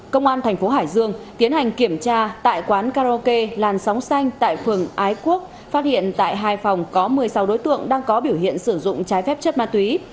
công an thành phố hải dương tiến hành kiểm tra tại quán karaoke làn sóng xanh tại phường ái quốc phát hiện tại hai phòng có một mươi sáu đối tượng đang có biểu hiện sử dụng trái phép chất ma túy